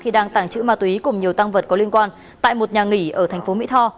khi đang tàng trữ ma túy cùng nhiều tăng vật có liên quan tại một nhà nghỉ ở tp hcm